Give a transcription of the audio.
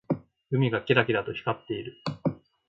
海がキラキラと光っている。